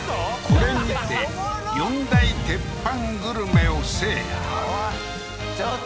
これにて４大鉄板グルメを制覇うわ